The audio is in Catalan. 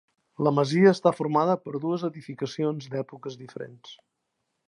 La masia està formada per dues edificacions d'èpoques diferents.